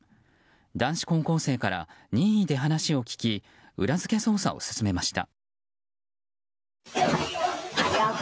男子高校生から任意で話を聞き裏付け捜査を進めました。